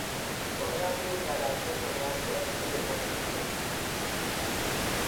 "O agravio cara ás nosas granxas é vergoñento", insisten.